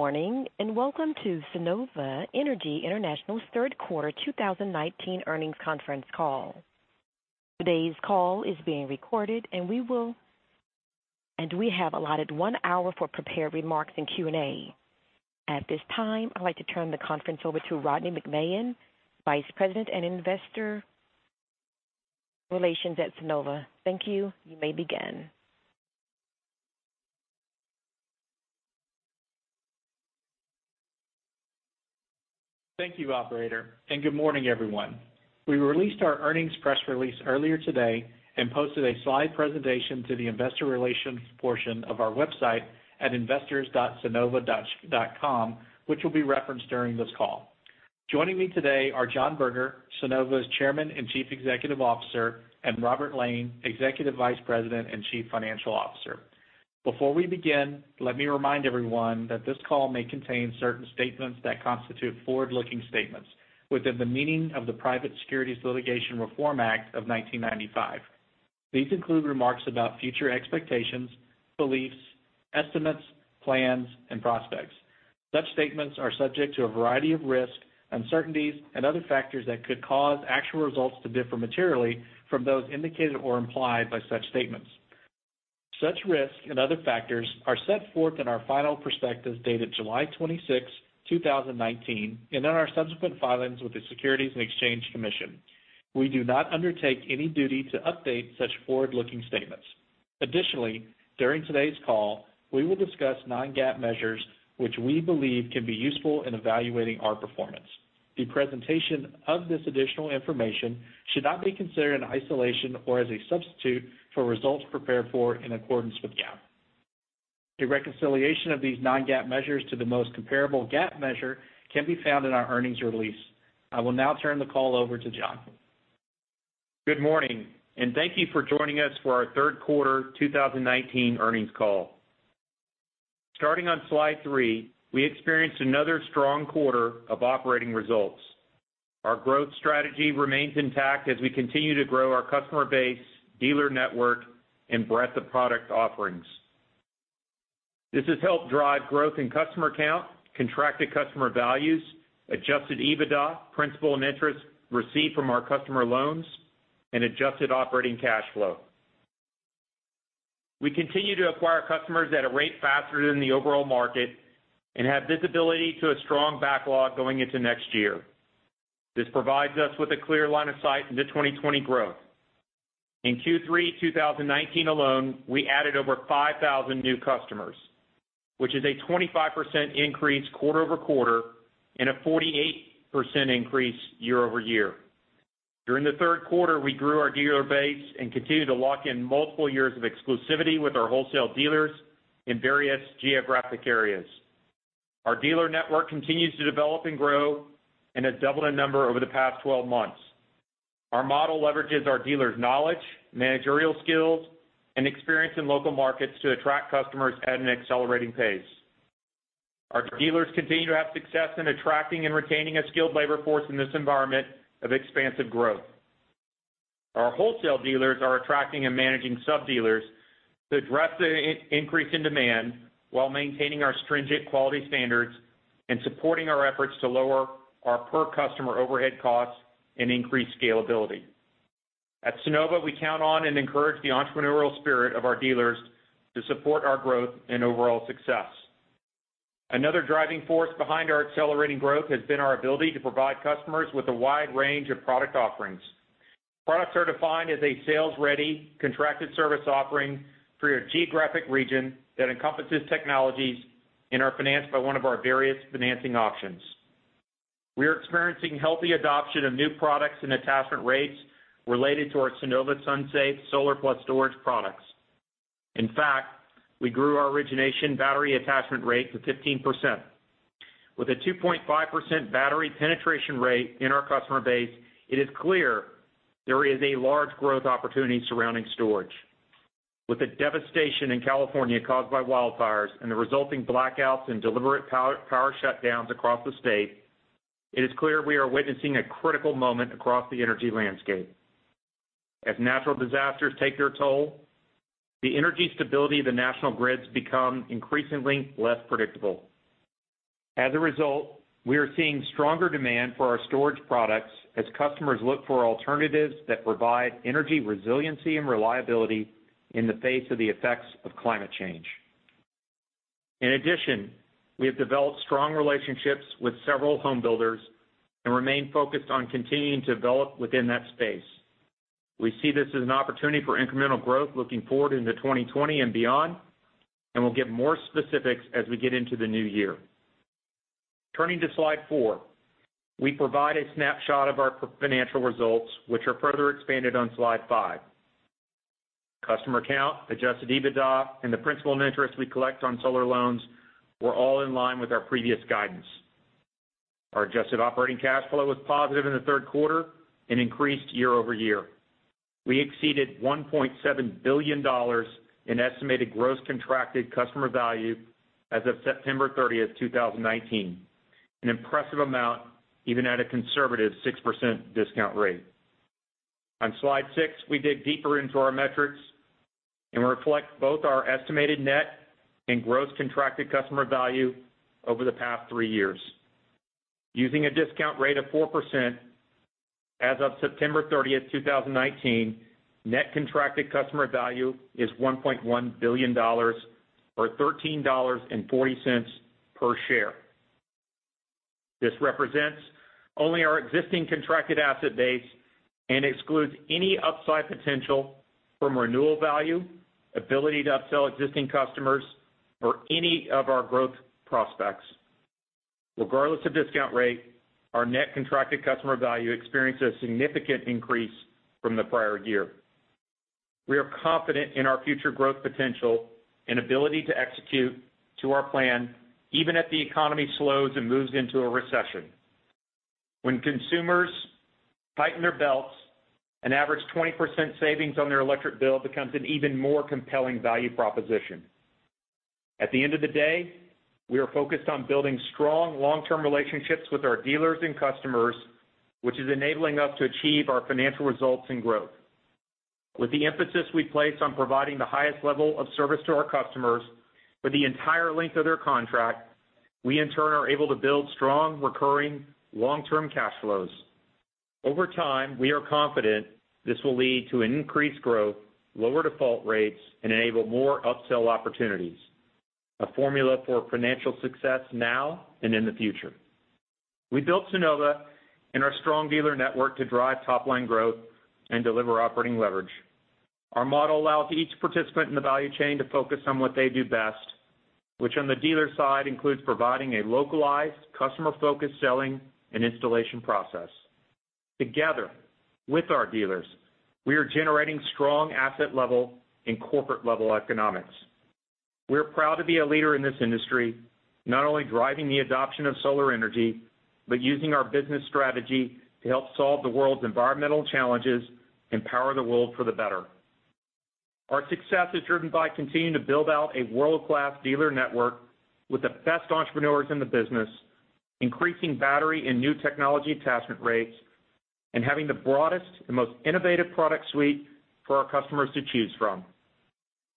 Good morning, welcome to Sunnova Energy International's third quarter 2019 earnings conference call. Today's call is being recorded, we have allotted one hour for prepared remarks and Q&A. At this time, I'd like to turn the conference over to Rodney McMahan, Vice President and Investor Relations at Sunnova. Thank you. You may begin. Thank you, operator. Good morning, everyone. We released our earnings press release earlier today and posted a slide presentation to the investor relations portion of our website at investors.sunnova.com, which will be referenced during this call. Joining me today are John Berger, Sunnova's Chairman and Chief Executive Officer, and Robert Lane, Executive Vice President and Chief Financial Officer. Before we begin, let me remind everyone that this call may contain certain statements that constitute forward-looking statements within the meaning of the Private Securities Litigation Reform Act of 1995. These include remarks about future expectations, beliefs, estimates, plans, and prospects. Such statements are subject to a variety of risks, uncertainties, and other factors that could cause actual results to differ materially from those indicated or implied by such statements. Such risks and other factors are set forth in our final prospectus dated July 26, 2019, and in our subsequent filings with the Securities and Exchange Commission. We do not undertake any duty to update such forward-looking statements. Additionally, during today's call, we will discuss non-GAAP measures which we believe can be useful in evaluating our performance. The presentation of this additional information should not be considered in isolation or as a substitute for results prepared for in accordance with GAAP. A reconciliation of these non-GAAP measures to the most comparable GAAP measure can be found in our earnings release. I will now turn the call over to John. Good morning, thank you for joining us for our third quarter 2019 earnings call. Starting on slide three, we experienced another strong quarter of operating results. Our growth strategy remains intact as we continue to grow our customer base, dealer network, and breadth of product offerings. This has helped drive growth in customer count, contracted customer values, adjusted EBITDA, principal and interest received from our customer loans, and adjusted operating cash flow. We continue to acquire customers at a rate faster than the overall market and have visibility to a strong backlog going into next year. This provides us with a clear line of sight into 2020 growth. In Q3 2019 alone, we added over 5,000 new customers, which is a 25% increase quarter-over-quarter and a 48% increase year-over-year. During the third quarter, we grew our dealer base and continued to lock in multiple years of exclusivity with our wholesale dealers in various geographic areas. Our dealer network continues to develop and grow and has doubled in number over the past 12 months. Our model leverages our dealers' knowledge, managerial skills, and experience in local markets to attract customers at an accelerating pace. Our dealers continue to have success in attracting and retaining a skilled labor force in this environment of expansive growth. Our wholesale dealers are attracting and managing sub-dealers to address the increase in demand while maintaining our stringent quality standards and supporting our efforts to lower our per-customer overhead costs and increase scalability. At Sunnova, we count on and encourage the entrepreneurial spirit of our dealers to support our growth and overall success. Another driving force behind our accelerating growth has been our ability to provide customers with a wide range of product offerings. Products are defined as a sales-ready, contracted service offering for your geographic region that encompasses technologies and are financed by one of our various financing options. We're experiencing healthy adoption of new products and attachment rates related to our Sunnova SunSafe Solar plus storage products. In fact, we grew our origination battery attachment rate to 15%. With a 2.5% battery penetration rate in our customer base, it is clear there is a large growth opportunity surrounding storage. With the devastation in California caused by wildfires and the resulting blackouts and deliberate power shutdowns across the state, it is clear we are witnessing a critical moment across the energy landscape. As natural disasters take their toll, the energy stability of the national grids become increasingly less predictable. As a result, we are seeing stronger demand for our storage products as customers look for alternatives that provide energy resiliency and reliability in the face of the effects of climate change. In addition, we have developed strong relationships with several home builders and remain focused on continuing to develop within that space. We see this as an opportunity for incremental growth looking forward into 2020 and beyond, and we'll give more specifics as we get into the new year. Turning to slide four, we provide a snapshot of our financial results, which are further expanded on slide five. Customer count, adjusted EBITDA, and the principal and interest we collect on solar loans were all in line with our previous guidance. Our adjusted operating cash flow was positive in the third quarter and increased year-over-year. We exceeded $1.7 billion in estimated gross contracted customer value as of September 30th, 2019, an impressive amount even at a conservative 6% discount rate. On slide six, we dig deeper into our metrics and reflect both our estimated net and gross contracted customer value over the past three years. Using a discount rate of 4% as of September 30th, 2019, net contracted customer value is $1.1 billion, or $13.40 per share. This represents only our existing contracted asset base and excludes any upside potential from renewal value, ability to upsell existing customers, or any of our growth prospects. Regardless of discount rate, our net contracted customer value experienced a significant increase from the prior year. We are confident in our future growth potential and ability to execute to our plan, even if the economy slows and moves into a recession. When consumers tighten their belts, an average 20% savings on their electric bill becomes an even more compelling value proposition. At the end of the day, we are focused on building strong long-term relationships with our dealers and customers, which is enabling us to achieve our financial results and growth. With the emphasis we place on providing the highest level of service to our customers for the entire length of their contract, we in turn are able to build strong, recurring, long-term cash flows. Over time, we are confident this will lead to increased growth, lower default rates, and enable more upsell opportunities, a formula for financial success now and in the future. We built Sunnova and our strong dealer network to drive top-line growth and deliver operating leverage. Our model allows each participant in the value chain to focus on what they do best, which on the dealer side includes providing a localized customer-focused selling and installation process. Together with our dealers, we are generating strong asset-level and corporate-level economics. We're proud to be a leader in this industry, not only driving the adoption of solar energy, but using our business strategy to help solve the world's environmental challenges and power the world for the better. Our success is driven by continuing to build out a world-class dealer network with the best entrepreneurs in the business, increasing battery and new technology attachment rates, and having the broadest and most innovative product suite for our customers to choose from.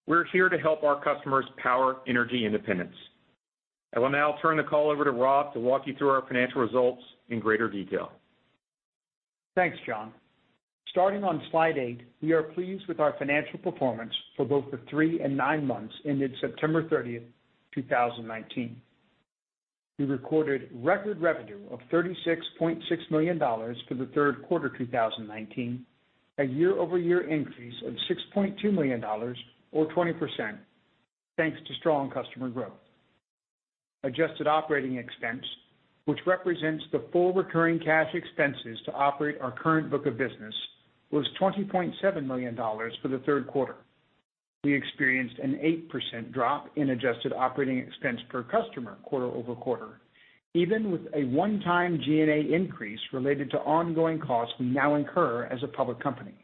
We're here to help our customers power energy independence. I will now turn the call over to Rob to walk you through our financial results in greater detail. Thanks, John. Starting on slide eight, we are pleased with our financial performance for both the three and nine months ended September 30th, 2019. We recorded record revenue of $36.6 million for the third quarter 2019, a year-over-year increase of $6.2 million, or 20%, thanks to strong customer growth. Adjusted operating expense, which represents the full recurring cash expenses to operate our current book of business, was $20.7 million for the third quarter. We experienced an 8% drop in adjusted operating expense per customer quarter-over-quarter, even with a one-time G&A increase related to ongoing costs we now incur as a public company.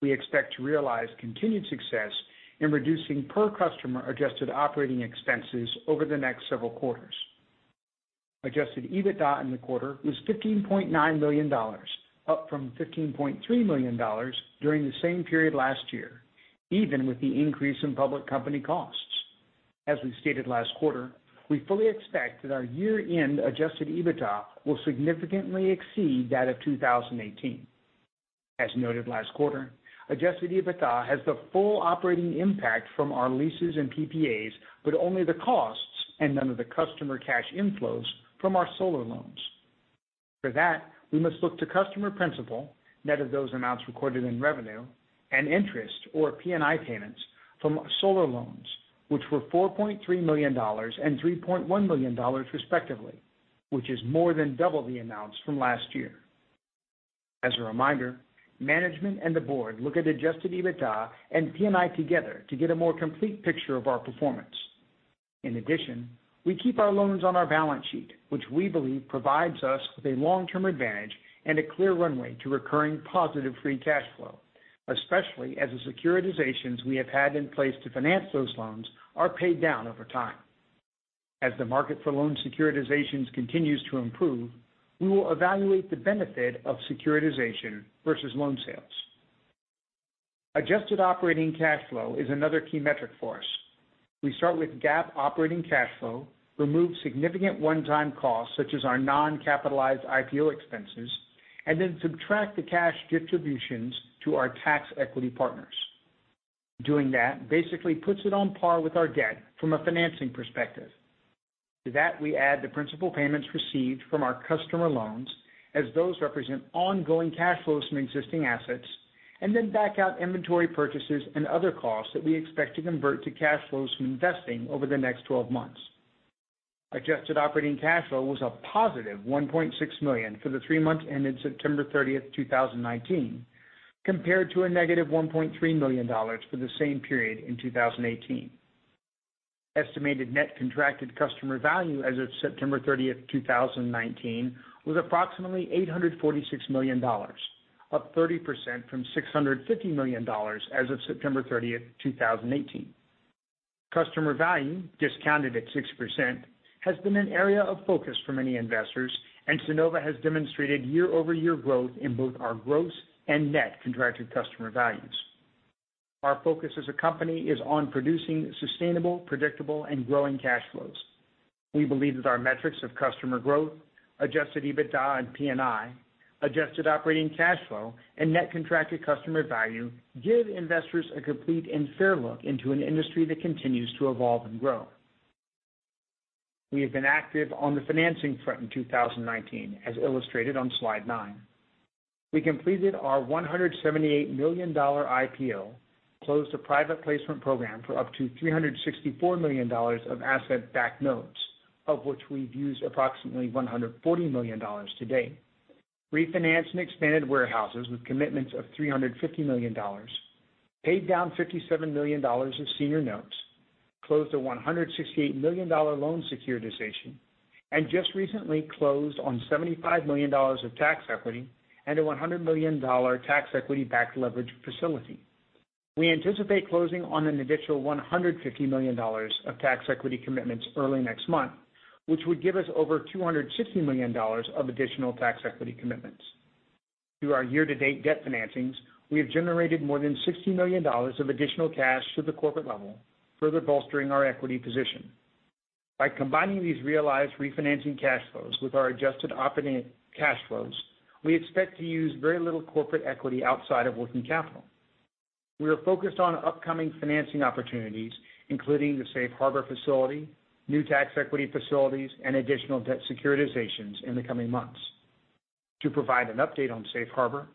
We expect to realize continued success in reducing per customer adjusted operating expenses over the next several quarters. Adjusted EBITDA in the quarter was $15.9 million, up from $15.3 million during the same period last year, even with the increase in public company costs. As we stated last quarter, we fully expect that our year-end adjusted EBITDA will significantly exceed that of 2018. As noted last quarter, adjusted EBITDA has the full operating impact from our leases and PPAs, but only the costs and none of the customer cash inflows from our solar loans. For that, we must look to customer principal, net of those amounts recorded in revenue, and interest, or P&I payments from solar loans, which were $4.3 million and $3.1 million respectively, which is more than double the amounts from last year. As a reminder, management and the board look at adjusted EBITDA and P&I together to get a more complete picture of our performance. In addition, we keep our loans on our balance sheet, which we believe provides us with a long-term advantage and a clear runway to recurring positive free cash flow, especially as the securitizations we have had in place to finance those loans are paid down over time. As the market for loan securitizations continues to improve, we will evaluate the benefit of securitization versus loan sales. Adjusted operating cash flow is another key metric for us. We start with GAAP operating cash flow, remove significant one-time costs such as our non-capitalized IPO expenses, and then subtract the cash distributions to our tax equity partners. Doing that basically puts it on par with our debt from a financing perspective. To that, we add the principal payments received from our customer loans, as those represent ongoing cash flows from existing assets, and then back out inventory purchases and other costs that we expect to convert to cash flows from investing over the next 12 months. Adjusted operating cash flow was a positive $1.6 million for the three months ended September 30th, 2019, compared to a negative $1.3 million for the same period in 2018. Estimated net contracted customer value as of September 30th, 2019, was approximately $846 million, up 30% from $650 million as of September 30th, 2018. Customer value, discounted at 6%, has been an area of focus for many investors, and Sunnova has demonstrated year-over-year growth in both our gross and net contracted customer values. Our focus as a company is on producing sustainable, predictable, and growing cash flows. We believe that our metrics of customer growth, adjusted EBITDA and P&I, adjusted operating cash flow, and net contracted customer value give investors a complete and fair look into an industry that continues to evolve and grow. We have been active on the financing front in 2019, as illustrated on slide nine. We completed our $178 million IPO, closed a private placement program for up to $364 million of asset-backed notes, of which we've used approximately $140 million to date. Refinanced and expanded warehouses with commitments of $350 million. Paid down $57 million of senior notes. Closed a $168 million loan securitization. Just recently closed on $75 million of tax equity and a $100 million tax equity-backed leverage facility. We anticipate closing on an additional $150 million of tax equity commitments early next month, which would give us over $260 million of additional tax equity commitments. Through our year-to-date debt financings, we have generated more than $60 million of additional cash to the corporate level, further bolstering our equity position. By combining these realized refinancing cash flows with our adjusted operating cash flows, we expect to use very little corporate equity outside of working capital. We are focused on upcoming financing opportunities, including the safe harbor facility, new tax equity facilities, and additional debt securitizations in the coming months. To provide an update on safe harbor,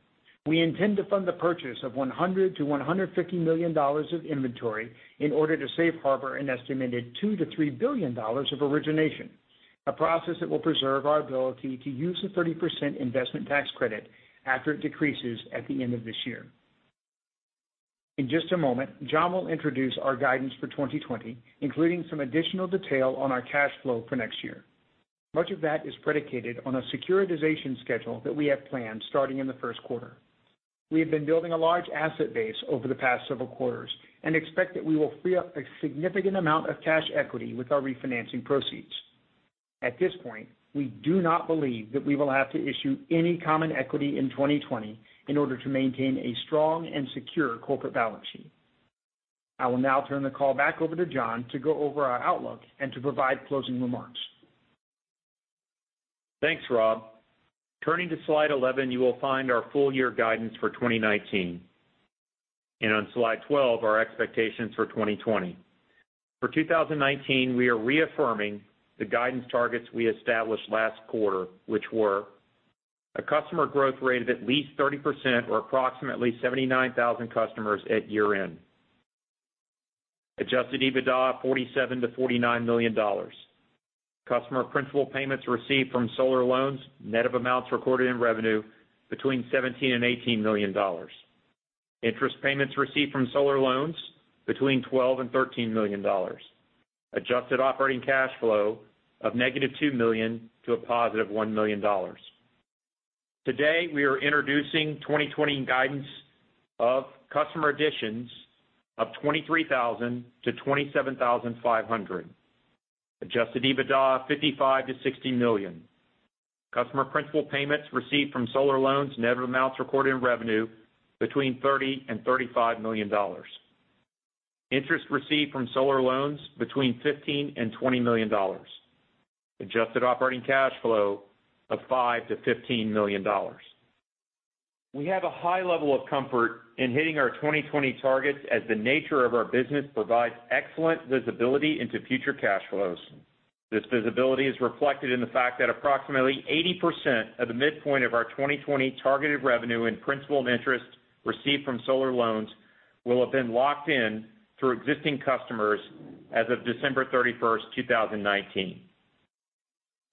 we intend to fund the purchase of $100 million to $150 million of inventory in order to safe harbor an estimated $2 billion to $3 billion of origination, a process that will preserve our ability to use the 30% investment tax credit after it decreases at the end of this year. In just a moment, John will introduce our guidance for 2020, including some additional detail on our cash flow for next year. Much of that is predicated on a securitization schedule that we have planned starting in the first quarter. We have been building a large asset base over the past several quarters and expect that we will free up a significant amount of cash equity with our refinancing proceeds. At this point, we do not believe that we will have to issue any common equity in 2020 in order to maintain a strong and secure corporate balance sheet. I will now turn the call back over to John to go over our outlook and to provide closing remarks. Thanks, Rob. Turning to slide 11, you will find our full year guidance for 2019. On slide 12, our expectations for 2020. For 2019, we are reaffirming the guidance targets we established last quarter, which were a customer growth rate of at least 30% or approximately 79,000 customers at year-end. adjusted EBITDA, $47 million-$49 million. Customer principal payments received from solar loans, net of amounts recorded in revenue, between $17 million and $18 million. Interest payments received from solar loans, between $12 million and $13 million. adjusted operating cash flow of -$2 million to a positive $1 million. Today, we are introducing 2020 guidance of customer additions of 23,000 to 27,500. adjusted EBITDA, $55 million-$60 million. Customer principal payments received from solar loans, net of amounts recorded in revenue, between $30 million and $35 million. Interest received from solar loans, between $15 million and $20 million. Adjusted operating cash flow of $5 million-$15 million. We have a high level of comfort in hitting our 2020 targets as the nature of our business provides excellent visibility into future cash flows. This visibility is reflected in the fact that approximately 80% of the midpoint of our 2020 targeted revenue in principal and interest received from solar loans will have been locked in through existing customers as of December 31st, 2019.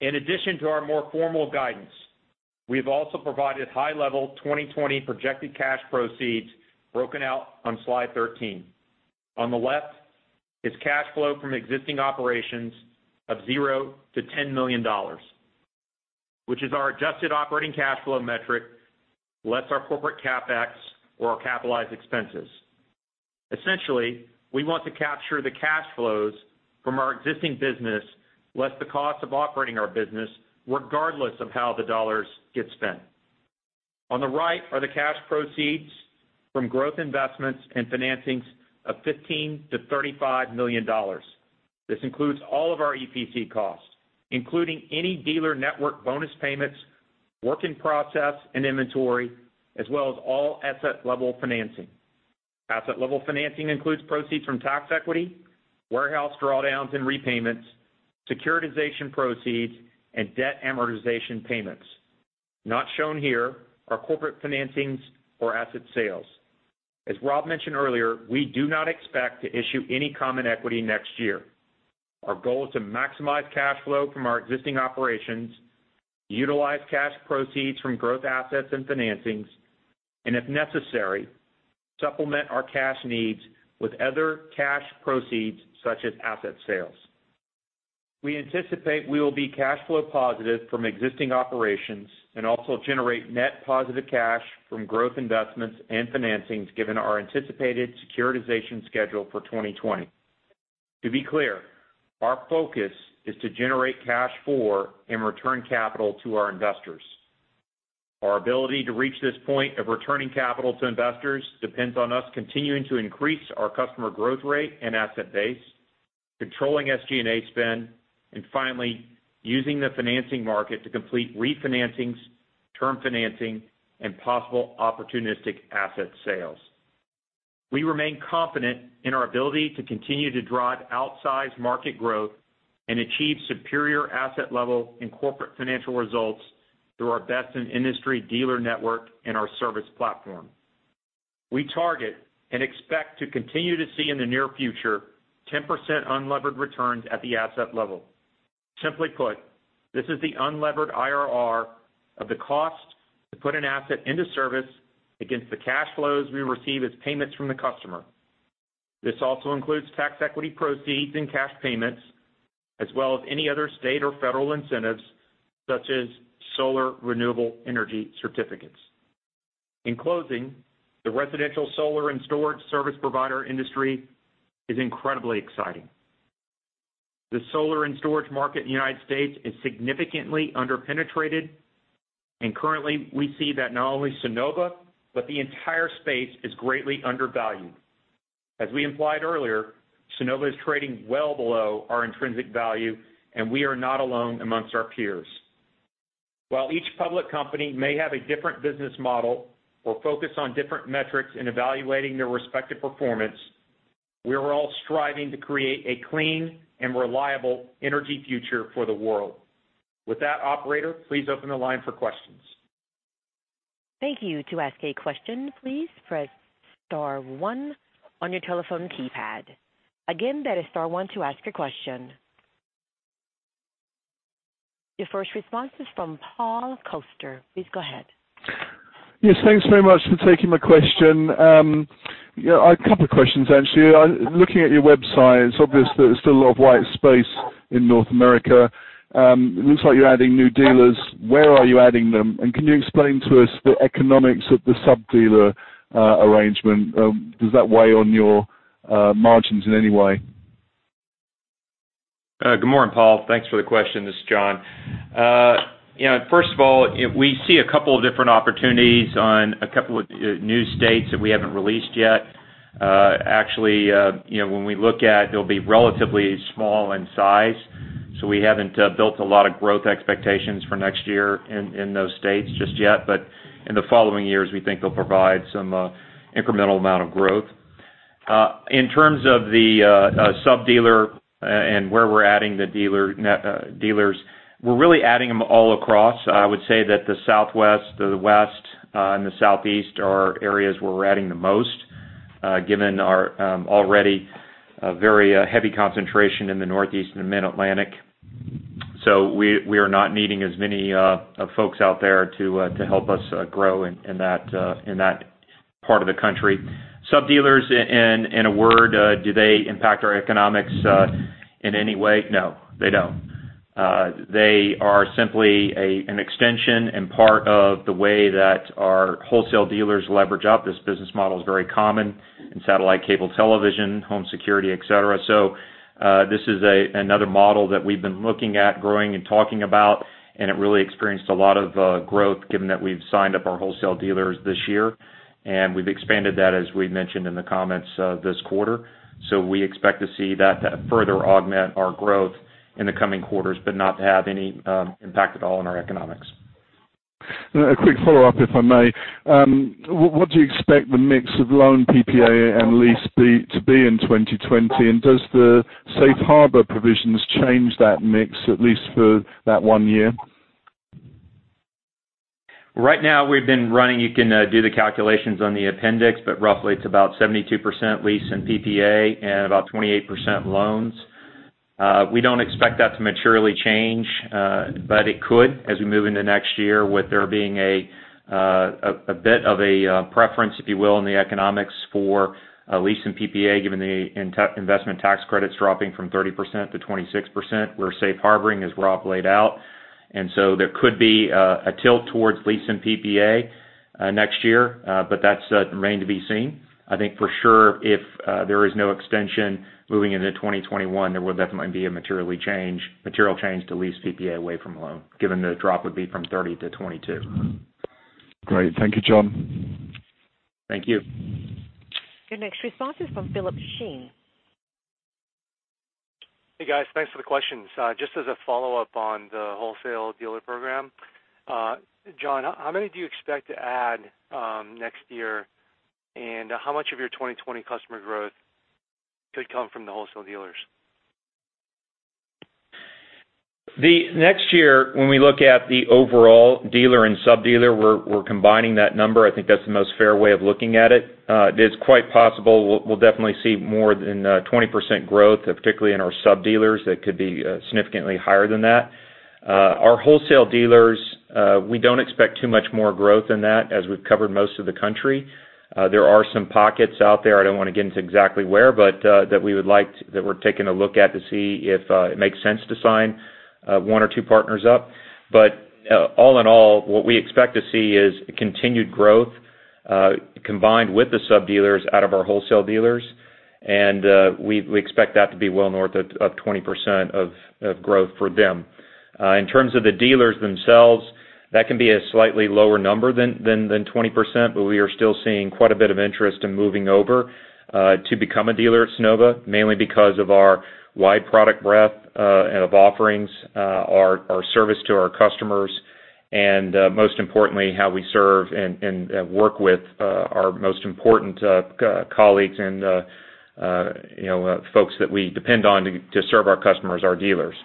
In addition to our more formal guidance, we have also provided high-level 2020 projected cash proceeds broken out on slide 13. On the left is cash flow from existing operations of $0-$10 million, which is our adjusted operating cash flow metric, less our corporate CapEx or our capitalized expenses. Essentially, we want to capture the cash flows from our existing business, less the cost of operating our business regardless of how the dollars get spent. On the right are the cash proceeds from growth investments and financings of $15 million-$35 million. This includes all of our EPC costs, including any dealer network bonus payments, work in process, and inventory, as well as all asset-level financing. Asset-level financing includes proceeds from tax equity, warehouse drawdowns and repayments, securitization proceeds, and debt amortization payments. Not shown here are corporate financings or asset sales. As Rob mentioned earlier, we do not expect to issue any common equity next year. Our goal is to maximize cash flow from our existing operations, utilize cash proceeds from growth assets and financings, and if necessary, supplement our cash needs with other cash proceeds such as asset sales. We anticipate we will be cash flow positive from existing operations and also generate net positive cash from growth investments and financings, given our anticipated securitization schedule for 2020. To be clear, our focus is to generate cash flow and return capital to our investors. Our ability to reach this point of returning capital to investors depends on us continuing to increase our customer growth rate and asset base, controlling SG&A spend, and finally, using the financing market to complete refinancings, term financing, and possible opportunistic asset sales. We remain confident in our ability to continue to drive outsized market growth and achieve superior asset level and corporate financial results through our best-in-industry dealer network and our service platform. We target and expect to continue to see in the near future 10% unlevered returns at the asset level. Simply put, this is the unlevered IRR of the cost to put an asset into service against the cash flows we receive as payments from the customer. This also includes tax equity proceeds and cash payments, as well as any other state or federal incentives such as solar renewable energy certificates. In closing, the residential solar and storage service provider industry is incredibly exciting. The solar and storage market in the U.S. is significantly under-penetrated, and currently we see that not only Sunnova, but the entire space is greatly undervalued. As we implied earlier, Sunnova is trading well below our intrinsic value, and we are not alone amongst our peers. While each public company may have a different business model or focus on different metrics in evaluating their respective performance, we are all striving to create a clean and reliable energy future for the world. With that, operator, please open the line for questions. Thank you. To ask a question, please press star one on your telephone keypad. Again, that is star one to ask a question. Your first response is from Paul Coster. Please go ahead. Yes, thanks very much for taking my question. A couple of questions, actually. Looking at your website, it's obvious that there's still a lot of white space in North America. It looks like you're adding new dealers. Where are you adding them, and can you explain to us the economics of the sub-dealer arrangement? Does that weigh on your margins in any way? Good morning, Paul. Thanks for the question. This is John. First of all, we see a couple of different opportunities on a couple of new states that we haven't released yet. Actually, when we look at, they'll be relatively small in size. We haven't built a lot of growth expectations for next year in those states just yet. In the following years, we think they'll provide some incremental amount of growth. In terms of the sub-dealer and where we're adding the dealers, we're really adding them all across. I would say that the Southwest, the West, and the Southeast are areas where we're adding the most, given our already very heavy concentration in the Northeast and the Mid-Atlantic. We are not needing as many folks out there to help us grow in that part of the country. Sub-dealers, in a word, do they impact our economics in any way? No, they don't. They are simply an extension and part of the way that our wholesale dealers leverage up. This business model is very common in satellite cable television, home security, et cetera. This is another model that we've been looking at growing and talking about, and it really experienced a lot of growth given that we've signed up our wholesale dealers this year, and we've expanded that, as we mentioned in the comments, this quarter. We expect to see that further augment our growth in the coming quarters, but not have any impact at all on our economics. A quick follow-up, if I may. What do you expect the mix of loan PPA and lease to be in 2020? Does the safe harbor provisions change that mix, at least for that one year? Right now, we've been running, you can do the calculations on the appendix, but roughly it's about 72% lease and PPA and about 28% loans. We don't expect that to materially change, but it could as we move into next year with there being a bit of a preference, if you will, in the economics for lease and PPA, given the investment tax credits dropping from 30% to 26%. We're safe harboring as Rob laid out, and so there could be a tilt towards lease and PPA next year, but that's remained to be seen. I think for sure, if there is no extension moving into 2021, there will definitely be a material change to lease PPA away from loan, given the drop would be from 30 to 22. Great. Thank you, John. Thank you. Your next response is from Philip Shen. Hey, guys. Thanks for the questions. Just as a follow-up on the wholesale dealer program. John, how many do you expect to add next year, and how much of your 2020 customer growth could come from the wholesale dealers? The next year, when we look at the overall dealer and sub-dealer, we're combining that number. I think that's the most fair way of looking at it. It's quite possible we'll definitely see more than 20% growth, particularly in our sub-dealers. That could be significantly higher than that. Our wholesale dealers, we don't expect too much more growth in that as we've covered most of the country. There are some pockets out there, I don't want to get into exactly where, but that we're taking a look at to see if it makes sense to sign one or two partners up. All in all, what we expect to see is continued growth, combined with the sub-dealers out of our wholesale dealers. We expect that to be well north of 20% of growth for them. In terms of the dealers themselves, that can be a slightly lower number than 20%, but we are still seeing quite a bit of interest in moving over, to become a dealer at Sunnova, mainly because of our wide product breadth of offerings, our service to our customers, and most importantly, how we serve and work with our most important colleagues and folks that we depend on to serve our customers, our dealers.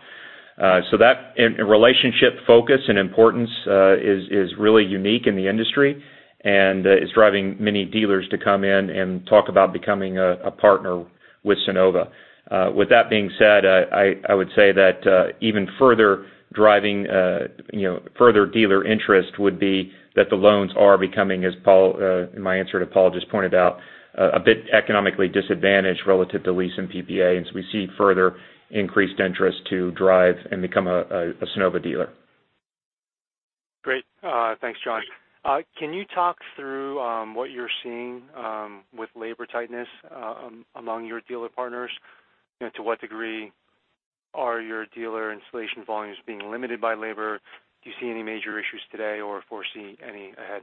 That relationship focus and importance is really unique in the industry and is driving many dealers to come in and talk about becoming a partner with Sunnova. With that being said, I would say that even further driving further dealer interest would be that the loans are becoming, as my answer that Paul just pointed out, a bit economically disadvantaged relative to lease and PPA. We see further increased interest to drive and become a Sunnova dealer. Great. Thanks, John. Can you talk through what you're seeing with labor tightness among your dealer partners? To what degree are your dealer installation volumes being limited by labor? Do you see any major issues today or foresee any ahead?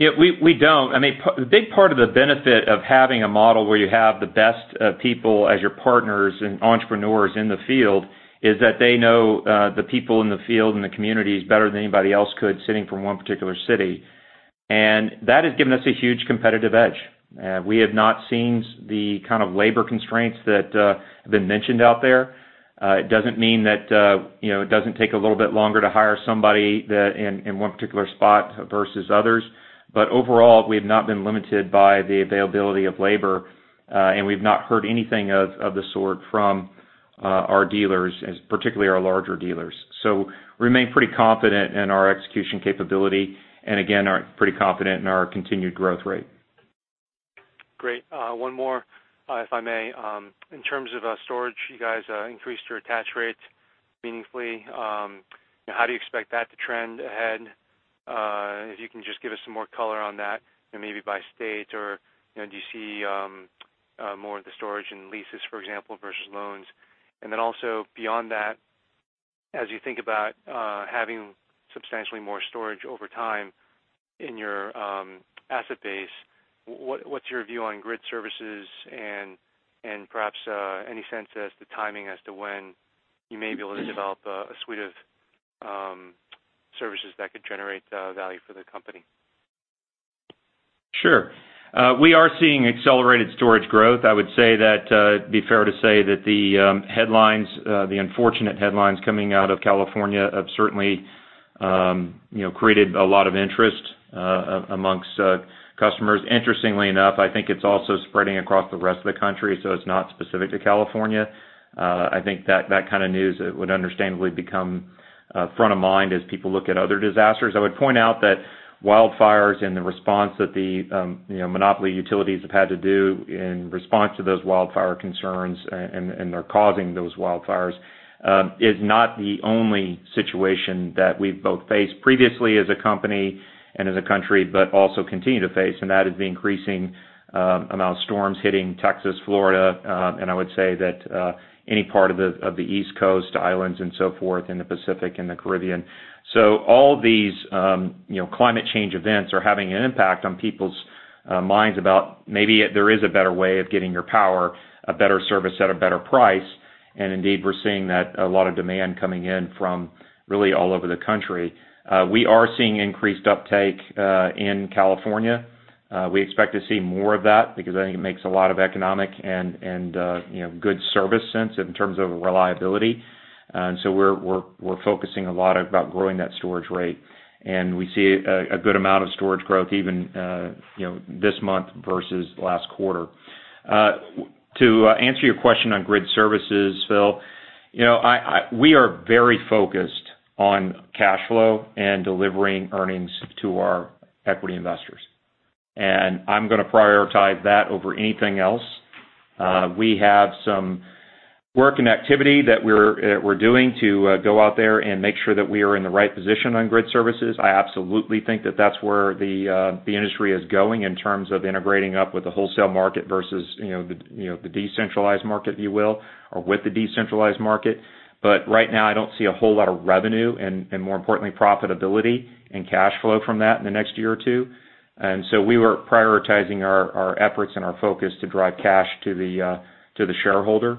Yeah, we don't. A big part of the benefit of having a model where you have the best people as your partners and entrepreneurs in the field is that they know the people in the field and the communities better than anybody else could sitting from one particular city. That has given us a huge competitive edge. We have not seen the kind of labor constraints that have been mentioned out there. It doesn't mean that it doesn't take a little bit longer to hire somebody in one particular spot versus others. Overall, we have not been limited by the availability of labor, and we've not heard anything of the sort from our dealers, particularly our larger dealers. We remain pretty confident in our execution capability, and again, are pretty confident in our continued growth rate. Great. One more, if I may. In terms of storage, you guys increased your attach rate meaningfully. How do you expect that to trend ahead? If you can just give us some more color on that, maybe by state, or do you see more of the storage and leases, for example, versus loans? Also beyond that, as you think about having substantially more storage over time in your asset base, what's your view on grid services and perhaps any sense as to timing as to when you may be able to develop a suite of services that could generate value for the company? Sure. We are seeing accelerated storage growth. I would say that it'd be fair to say that the unfortunate headlines coming out of California have certainly created a lot of interest amongst customers. Interestingly enough, I think it's also spreading across the rest of the country, so it's not specific to California. I think that kind of news would understandably become front of mind as people look at other disasters. I would point out that wildfires and the response that the monopoly utilities have had to do in response to those wildfire concerns and are causing those wildfires is not the only situation that we've both faced previously as a company and as a country, but also continue to face, and that is the increasing amount of storms hitting Texas, Florida, and I would say that any part of the East Coast islands and so forth in the Pacific and the Caribbean. All these climate change events are having an impact on people's minds about maybe there is a better way of getting your power, a better service at a better price. Indeed, we're seeing that a lot of demand coming in from really all over the country. We are seeing increased uptake in California. We expect to see more of that because I think it makes a lot of economic and good service sense in terms of reliability. We're focusing a lot about growing that storage rate, and we see a good amount of storage growth even this month versus last quarter. To answer your question on grid services, Phil, we are very focused on cash flow and delivering earnings to our equity investors. I'm going to prioritize that over anything else. We have some work and activity that we're doing to go out there and make sure that we are in the right position on grid services. I absolutely think that that's where the industry is going in terms of integrating up with the wholesale market versus the decentralized market, if you will, or with the decentralized market. Right now, I don't see a whole lot of revenue and more importantly, profitability and cash flow from that in the next year or two. We were prioritizing our efforts and our focus to drive cash to the shareholder.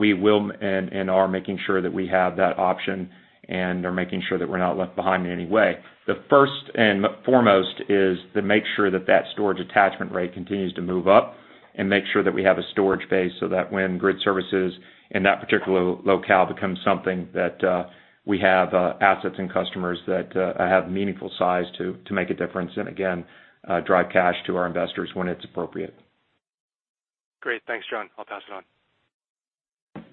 We will and are making sure that we have that option and are making sure that we're not left behind in any way. The first and foremost is to make sure that storage attachment rate continues to move up and make sure that we have a storage base so that when grid services in that particular locale becomes something that we have assets and customers that have meaningful size to make a difference, and again, drive cash to our investors when it's appropriate. Great. Thanks, John. I'll pass it on.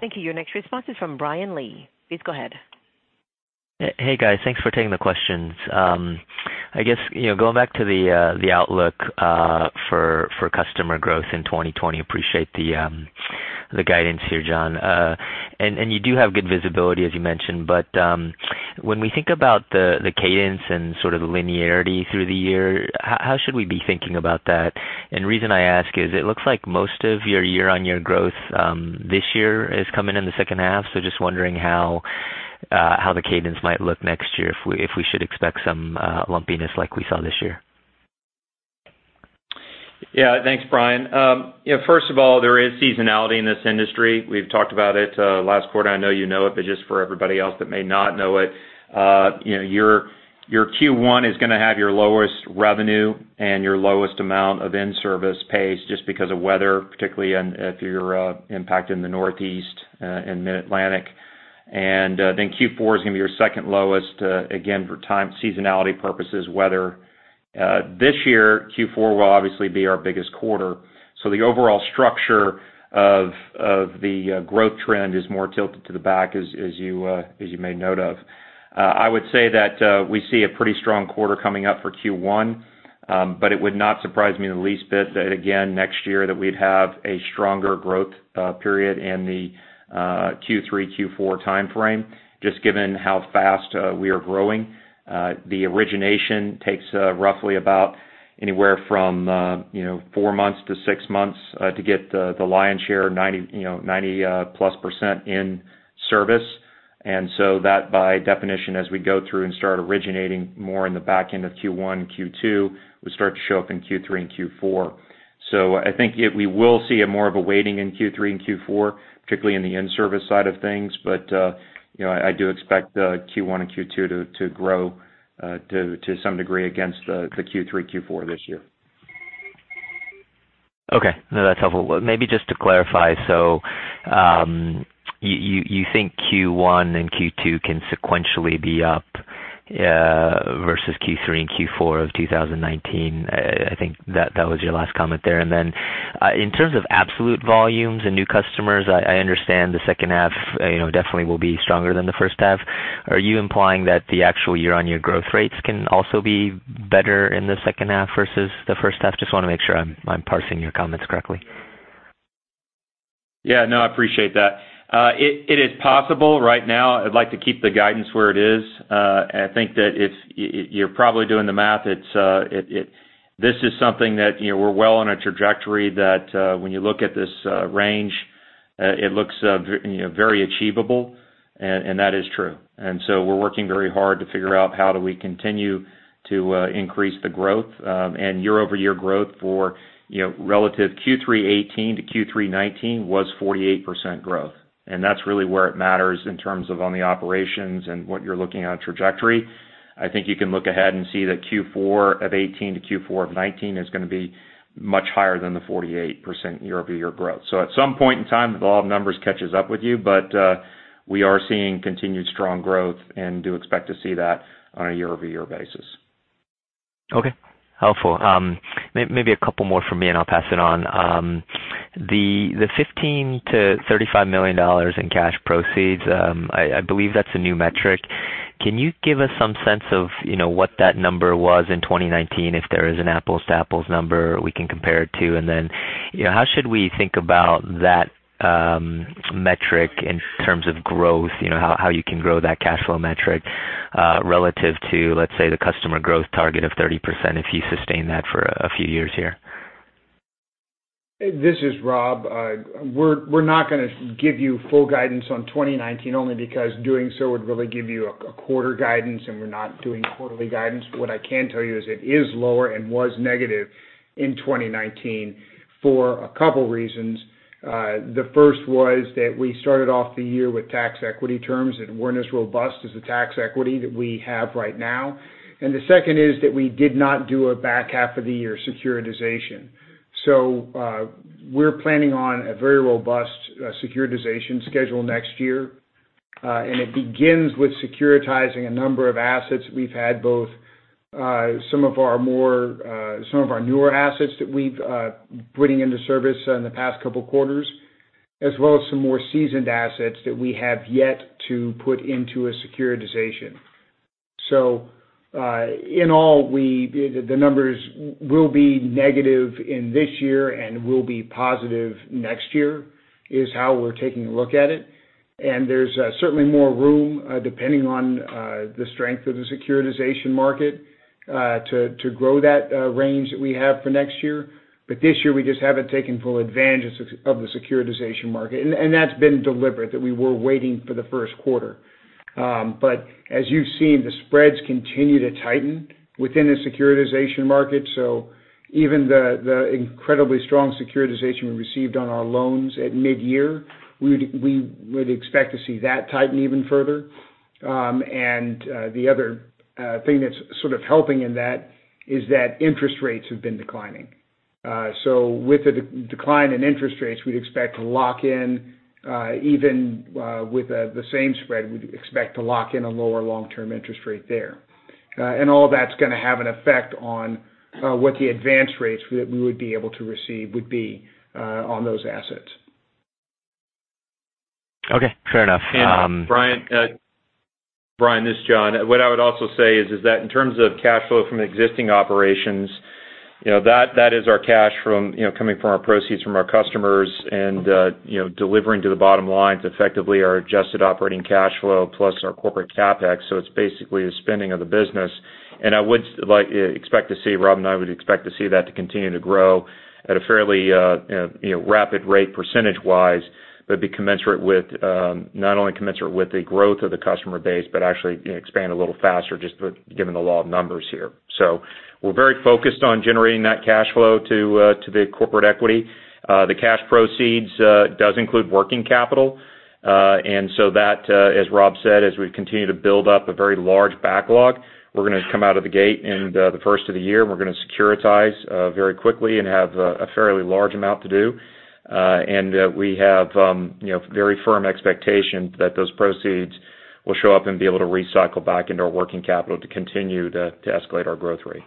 Thank you. Your next response is from Brian Lee. Please go ahead. Hey, guys. Thanks for taking the questions. I guess, going back to the outlook for customer growth in 2020, appreciate the guidance here, John. You do have good visibility, as you mentioned. When we think about the cadence and sort of linearity through the year, how should we be thinking about that? Reason I ask is it looks like most of your year-on-year growth this year is coming in the second half, so just wondering how the cadence might look next year, if we should expect some lumpiness like we saw this year. Thanks, Brian. First of all, there is seasonality in this industry. We've talked about it last quarter. I know you know it, but just for everybody else that may not know it. Your Q1 is going to have your lowest revenue and your lowest amount of in-service pace just because of weather, particularly if you're impacted in the Northeast and Mid-Atlantic. Then Q4 is going to be your second lowest, again, for seasonality purposes, weather. This year, Q4 will obviously be our biggest quarter. The overall structure of the growth trend is more tilted to the back as you may note of. I would say that we see a pretty strong quarter coming up for Q1. It would not surprise me in the least bit that, again, next year, that we'd have a stronger growth period in the Q3, Q4 timeframe, just given how fast we are growing. The origination takes roughly about anywhere from 4 months to 6 months to get the lion's share, 90%-plus in service. That by definition, as we go through and start originating more in the back end of Q1, Q2, will start to show up in Q3 and Q4. I think we will see a more of a waiting in Q3 and Q4, particularly in the in-service side of things. I do expect Q1 and Q2 to grow to some degree against the Q3, Q4 this year. Okay. No, that's helpful. Maybe just to clarify, you think Q1 and Q2 can sequentially be up versus Q3 and Q4 of 2019? I think that was your last comment there. Then in terms of absolute volumes and new customers, I understand the second half definitely will be stronger than the first half. Are you implying that the actual year-on-year growth rates can also be better in the second half versus the first half? Just want to make sure I'm parsing your comments correctly. Yeah, no, I appreciate that. It is possible. Right now, I'd like to keep the guidance where it is. I think that if you're probably doing the math, this is something that we're well on a trajectory that when you look at this range, it looks very achievable, and that is true. We're working very hard to figure out how do we continue to increase the growth. Year-over-year growth for relative Q3 2018 to Q3 2019 was 48% growth. That's really where it matters in terms of on the operations and what you're looking at trajectory. I think you can look ahead and see that Q4 of 2018 to Q4 of 2019 is going to be much higher than the 48% year-over-year growth. At some point in time, the law of numbers catches up with you, but we are seeing continued strong growth and do expect to see that on a year-over-year basis. Okay. Helpful. Maybe a couple more from me, and I'll pass it on. The $15 million-$35 million in cash proceeds, I believe that's a new metric. Can you give us some sense of what that number was in 2019, if there is an apples-to-apples number we can compare it to? How should we think about that metric in terms of growth? How you can grow that cash flow metric relative to, let's say, the customer growth target of 30% if you sustain that for a few years here? This is Rob. We're not going to give you full guidance on 2019, only because doing so would really give you a quarter guidance. We're not doing quarterly guidance. What I can tell you is it is lower and was negative in 2019 for a couple reasons. The first was that we started off the year with tax equity terms that weren't as robust as the tax equity that we have right now. The second is that we did not do a back half of the year securitization. We're planning on a very robust securitization schedule next year. It begins with securitizing a number of assets. We've had both some of our newer assets that we've putting into service in the past couple quarters, as well as some more seasoned assets that we have yet to put into a securitization. In all, the numbers will be negative in this year and will be positive next year, is how we're taking a look at it. There's certainly more room, depending on the strength of the securitization market, to grow that range that we have for next year. This year, we just haven't taken full advantage of the securitization market. That's been deliberate, that we were waiting for the first quarter. As you've seen, the spreads continue to tighten within the securitization market. Even the incredibly strong securitization we received on our loans at midyear, we would expect to see that tighten even further. The other thing that's sort of helping in that is that interest rates have been declining. With the decline in interest rates, we'd expect to lock in even with the same spread, we'd expect to lock in a lower long-term interest rate there. All that's going to have an effect on what the advance rates that we would be able to receive would be on those assets. Okay, fair enough. Brian, this is John. What I would also say is that in terms of cash flow from existing operations, that is our cash coming from our proceeds from our customers and delivering to the bottom line, effectively our adjusted operating cash flow plus our corporate CapEx. It's basically the spending of the business. Rob and I would expect to see that to continue to grow at a fairly rapid rate percentage-wise, but be not only commensurate with the growth of the customer base, but actually expand a little faster just given the law of numbers here. We're very focused on generating that cash flow to the corporate equity. The cash proceeds does include working capital. That, as Rob said, as we continue to build up a very large backlog, we're going to come out of the gate in the first of the year, and we're going to securitize very quickly and have a fairly large amount to do. We have very firm expectation that those proceeds will show up and be able to recycle back into our working capital to continue to escalate our growth rate.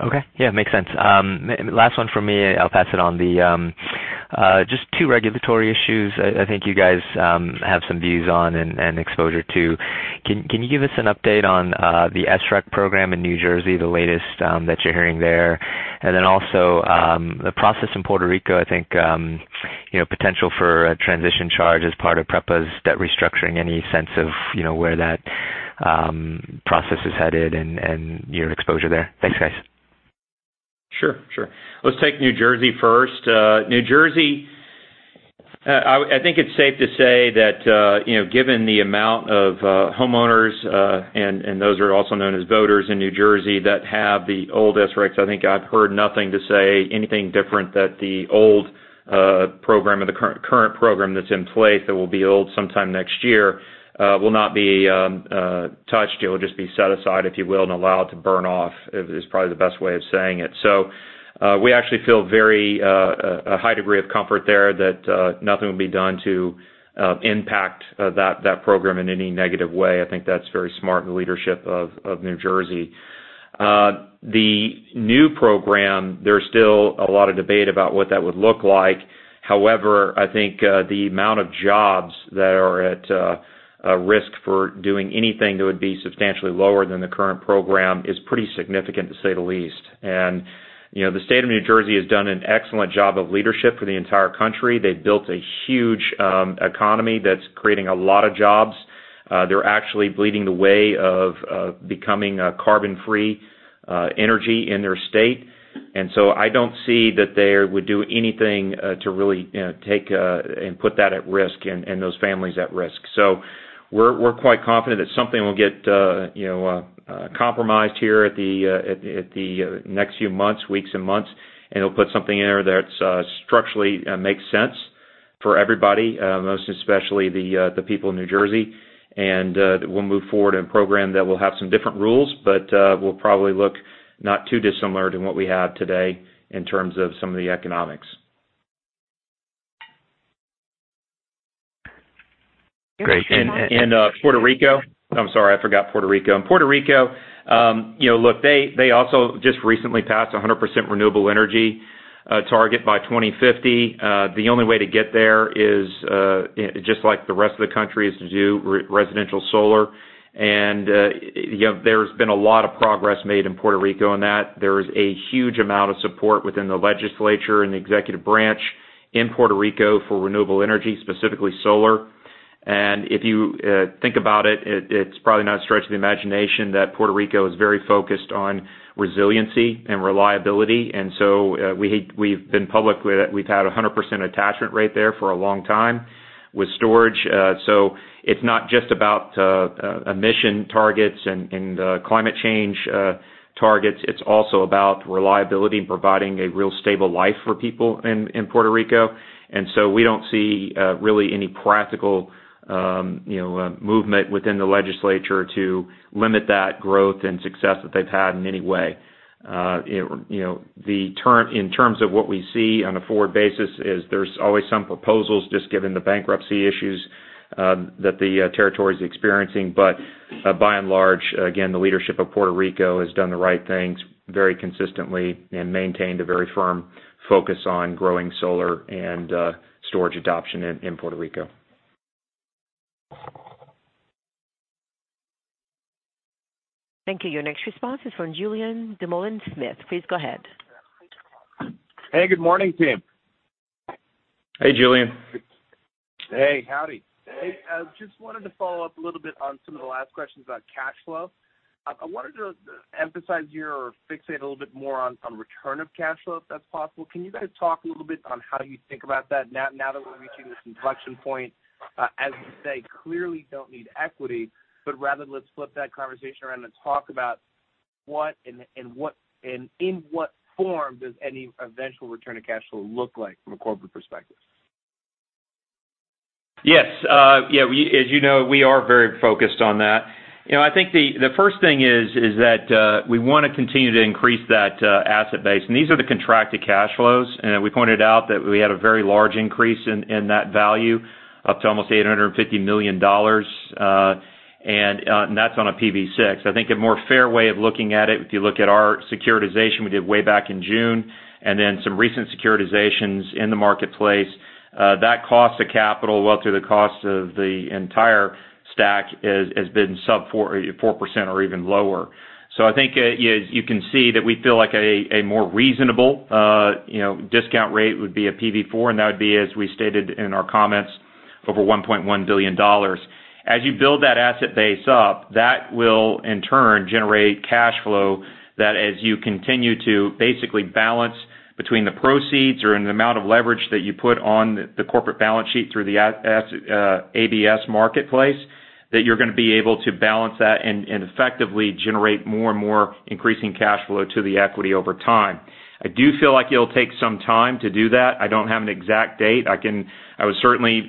Okay. Yeah, makes sense. Last one from me, I'll pass it on. Just two regulatory issues I think you guys have some views on and exposure to. Can you give us an update on the SREC program in New Jersey, the latest that you're hearing there? Also the process in Puerto Rico, I think potential for a transition charge as part of PREPA's debt restructuring. Any sense of where that process is headed and your exposure there? Thanks, guys. Sure. Let's take New Jersey first. New Jersey, I think it's safe to say that given the amount of homeowners, and those are also known as voters in New Jersey that have the old SRECs, I think I've heard nothing to say anything different that the old program or the current program that's in place that will be old sometime next year will not be touched. It will just be set aside, if you will, and allow it to burn off is probably the best way of saying it. We actually feel a high degree of comfort there that nothing will be done to impact that program in any negative way. I think that's very smart of the leadership of New Jersey. The new program, there's still a lot of debate about what that would look like. However, I think the amount of jobs that are at risk for doing anything that would be substantially lower than the current program is pretty significant, to say the least. The state of New Jersey has done an excellent job of leadership for the entire country. They've built a huge economy that's creating a lot of jobs. They're actually leading the way of becoming carbon-free energy in their state. I don't see that they would do anything to really take and put that at risk and those families at risk. We're quite confident that something will get compromised here at the next few weeks and months, and it'll put something in there that structurally makes sense for everybody, most especially the people of New Jersey. We'll move forward in a program that will have some different rules, but will probably look not too dissimilar to what we have today in terms of some of the economics. Great. I'm sorry, I forgot Puerto Rico. In Puerto Rico, look, they also just recently passed 100% renewable energy target by 2050. The only way to get there is just like the rest of the country is to do residential solar. There's been a lot of progress made in Puerto Rico on that. There is a huge amount of support within the legislature and the executive branch in Puerto Rico for renewable energy, specifically solar. If you think about it's probably not a stretch of the imagination that Puerto Rico is very focused on resiliency and reliability. We've been public with it. We've had 100% attachment rate there for a long time with storage. It's not just about emission targets and climate change targets, it's also about reliability and providing a real stable life for people in Puerto Rico. We don't see really any practical movement within the legislature to limit that growth and success that they've had in any way. In terms of what we see on a forward basis is there's always some proposals just given the bankruptcy issues that the territory is experiencing. By and large, again, the leadership of Puerto Rico has done the right things very consistently and maintained a very firm focus on growing solar and storage adoption in Puerto Rico. Thank you. Your next response is from Julien Dumoulin-Smith. Please go ahead. Hey, good morning, team. Hey, Julien. Hey. Howdy. Hey, just wanted to follow up a little bit on some of the last questions about cash flow. I wanted to emphasize here or fixate a little bit more on return of cash flow, if that's possible. Can you guys talk a little bit on how you think about that now that we're reaching this inflection point, as you say, clearly don't need equity, but rather let's flip that conversation around and talk about what and in what form does any eventual return of cash flow look like from a corporate perspective? Yes. As you know, we are very focused on that. The first thing is that we want to continue to increase that asset base. These are the contracted cash flows. We pointed out that we had a very large increase in that value up to almost $850 million, and that's on a PB 6. A more fair way of looking at it, if you look at our securitization we did way back in June, some recent securitizations in the marketplace. That cost of capital, well, through the cost of the entire stack has been sub 4% or even lower. You can see that we feel like a more reasonable discount rate would be a PB 4, and that would be, as we stated in our comments, over $1.1 billion. As you build that asset base up, that will in turn generate cash flow that as you continue to basically balance between the proceeds or in the amount of leverage that you put on the corporate balance sheet through the ABS marketplace, that you're going to be able to balance that and effectively generate more and more increasing cash flow to the equity over time. I do feel like it'll take some time to do that. I don't have an exact date. I would certainly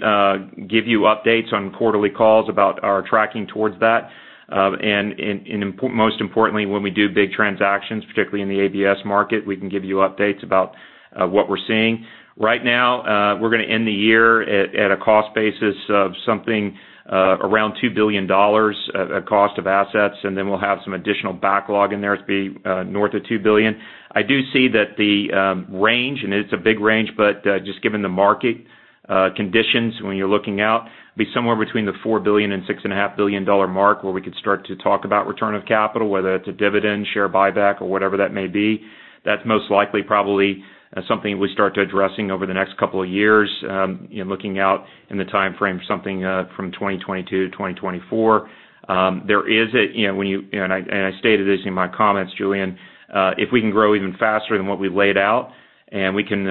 give you updates on quarterly calls about our tracking towards that. Most importantly, when we do big transactions, particularly in the ABS market, we can give you updates about what we're seeing. Right now, we're going to end the year at a cost basis of something around $2 billion of cost of assets, and then we'll have some additional backlog in there to be north of $2 billion. I do see that the range, and it's a big range, but just given the market conditions when you're looking out, be somewhere between the $4 billion and $6.5 billion mark where we could start to talk about return of capital, whether that's a dividend share buyback or whatever that may be. That's most likely probably something we start addressing over the next couple of years. Looking out in the timeframe, something from 2022 to 2024. I stated this in my comments, Julien, if we can grow even faster than what we laid out and we can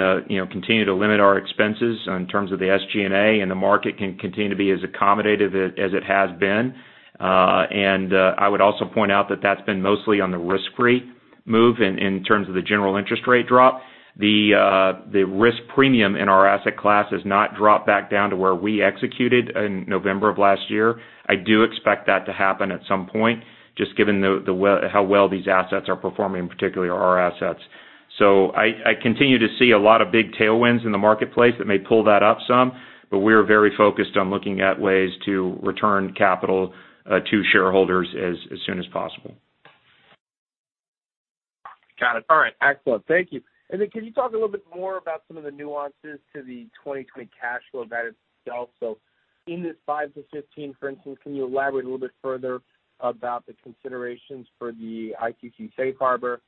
continue to limit our expenses in terms of the SG&A, the market can continue to be as accommodative as it has been. I would also point out that that's been mostly on the risk-free move in terms of the general interest rate drop. The risk premium in our asset class has not dropped back down to where we executed in November of last year. I do expect that to happen at some point, just given how well these assets are performing, particularly our assets. I continue to see a lot of big tailwinds in the marketplace that may pull that up some, but we're very focused on looking at ways to return capital to shareholders as soon as possible. Got it. All right. Excellent. Thank you. Then can you talk a little bit more about some of the nuances to the 2020 cash flow guidance itself? In this $5-$15, for instance, can you elaborate a little bit further about the considerations for the ITC safe harbor?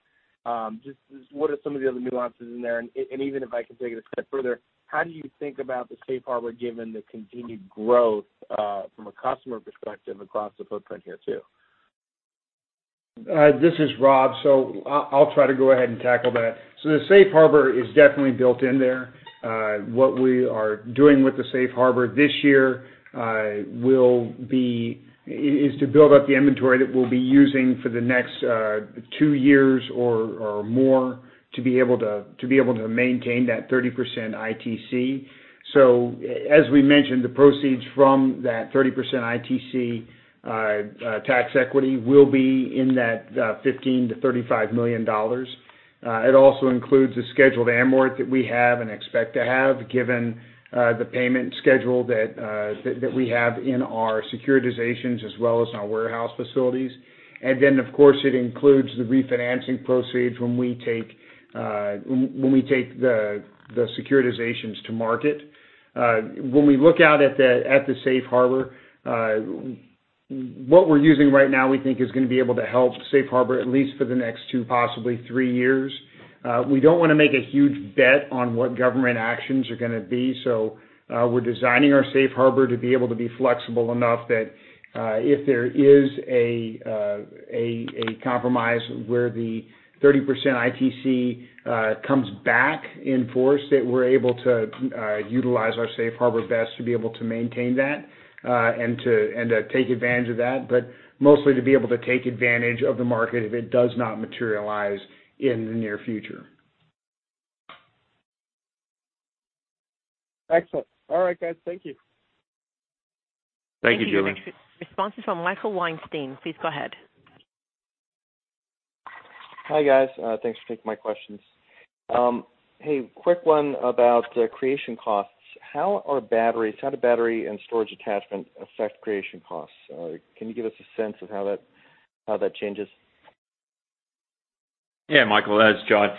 Just what are some of the other nuances in there? Even if I can take it a step further, how do you think about the safe harbor given the continued growth, from a customer perspective across the footprint here too? This is Rob. I'll try to go ahead and tackle that. The safe harbor is definitely built in there. What we are doing with the safe harbor this year is to build up the inventory that we'll be using for the next two years or more to be able to maintain that 30% ITC. As we mentioned, the proceeds from that 30% ITC tax equity will be in that $15 million-$35 million. It also includes the scheduled amort that we have and expect to have, given the payment schedule that we have in our securitizations as well as in our warehouse facilities. Of course, it includes the refinancing proceeds when we take the securitizations to market. When we look out at the safe harbor, what we're using right now, we think is going to be able to help safe harbor at least for the next two, possibly three years. We're designing our safe harbor to be able to be flexible enough that if there is a compromise where the 30% ITC comes back in force, that we're able to utilize our safe harbor best to be able to maintain that, and to take advantage of that. Mostly to be able to take advantage of the market if it does not materialize in the near future. Excellent. All right, guys. Thank you. Thank you, Julien. Responses from Michael Weinstein. Please go ahead. Hi, guys. Thanks for taking my questions. Hey, quick one about creation costs. How do battery and storage attachment affect creation costs? Can you give us a sense of how that changes? Yeah, Michael, it's John.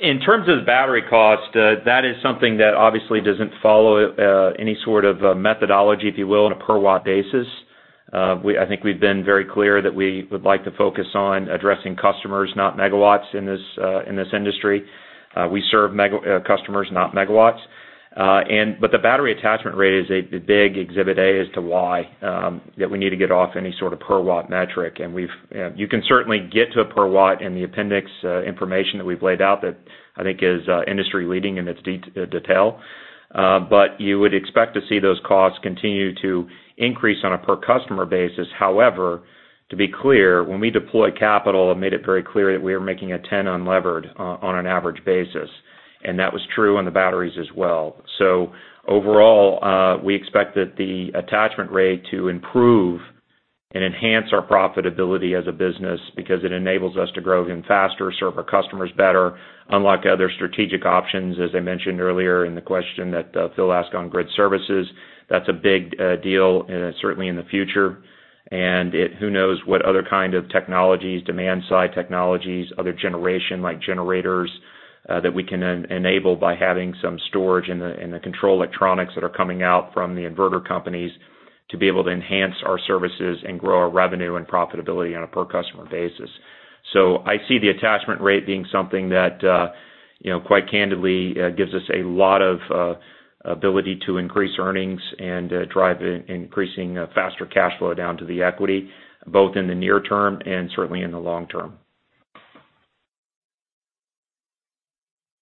In terms of battery cost, that is something that obviously doesn't follow any sort of methodology, if you will, on a per watt basis. I think we've been very clear that we would like to focus on addressing customers, not megawatts in this industry. We serve customers, not megawatts. The battery attachment rate is a big exhibit A as to why that we need to get off any sort of per watt metric. You can certainly get to a per watt in the appendix information that we've laid out, that I think is industry leading in its detail. You would expect to see those costs continue to increase on a per customer basis. To be clear, when we deployed capital and made it very clear that we were making a 10 unlevered on an average basis, and that was true on the batteries as well. Overall, we expect that the attachment rate to improve and enhance our profitability as a business because it enables us to grow even faster, serve our customers better, unlock other strategic options. As I mentioned earlier in the question that Phil asked on grid services, that's a big deal certainly in the future. Who knows what other kind of technologies, demand-side technologies, other generation like generators, that we can enable by having some storage in the control electronics that are coming out from the inverter companies to be able to enhance our services and grow our revenue and profitability on a per-customer basis. I see the attachment rate being something that quite candidly gives us a lot of ability to increase earnings and drive increasing faster cash flow down to the equity, both in the near term and certainly in the long term.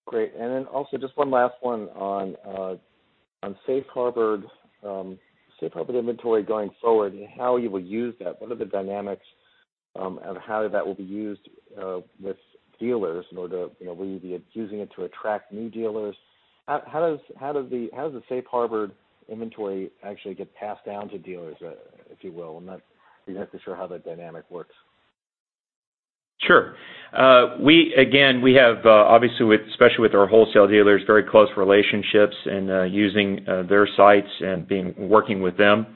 Great. Then also just one last one on safe harbor inventory going forward and how you will use that. What are the dynamics of how that will be used with dealers? Will you be using it to attract new dealers? How does the safe harbor inventory actually get passed down to dealers, if you will? I'm not exactly sure how the dynamic works. Sure. We have, obviously, especially with our wholesale dealers, very close relationships and using their sites and working with them.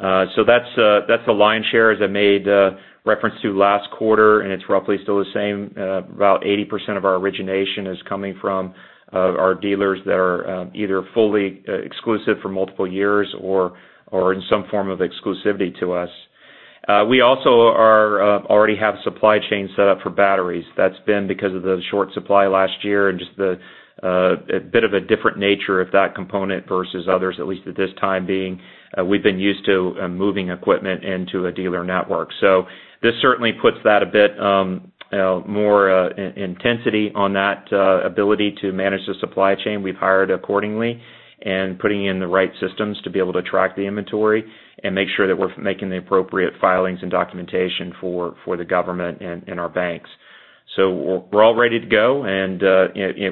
That's the lion's share, as I made a reference to last quarter, and it's roughly still the same. About 80% of our origination is coming from our dealers that are either fully exclusive for multiple years or in some form of exclusivity to us. We also already have supply chain set up for batteries. That's been because of the short supply last year and just a bit of a different nature of that component versus others, at least at this time being. We've been used to moving equipment into a dealer network. This certainly puts that a bit more intensity on that ability to manage the supply chain. We've hired accordingly and putting in the right systems to be able to track the inventory and make sure that we're making the appropriate filings and documentation for the government and our banks. We're all ready to go.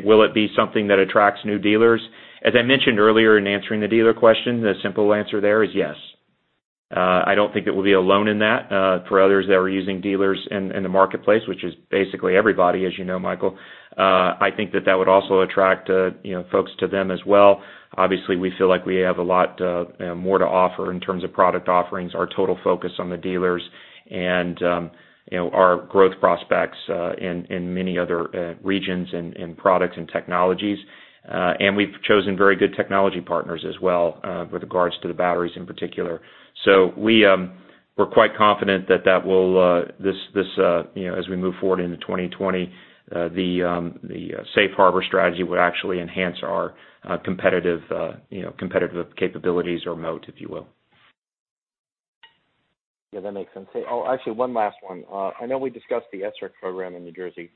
Will it be something that attracts new dealers? As I mentioned earlier in answering the dealer question, the simple answer there is yes. I don't think that we'll be alone in that. For others that are using dealers in the marketplace, which is basically everybody as you know, Michael. I think that that would also attract folks to them as well. Obviously, we feel like we have a lot more to offer in terms of product offerings, our total focus on the dealers and our growth prospects in many other regions and products and technologies. We've chosen very good technology partners as well with regards to the batteries in particular. We're quite confident that as we move forward into 2020, the safe harbor strategy would actually enhance our competitive capabilities or moat, if you will. Yeah, that makes sense. Actually, one last one. I know we discussed the SREC program in New Jersey.